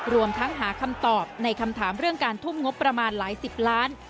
รวมทั้งหาคำตอบในคำถามเรื่องการทุ่มงบประมาณหลายสิบล้าน